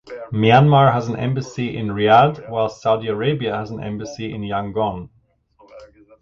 Myanmar has an embassy in Riyadh whilst Saudi Arabia has an embassy in Yangon.